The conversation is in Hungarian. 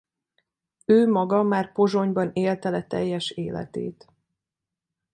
Ő maga már Pozsonyban élte le teljes életét.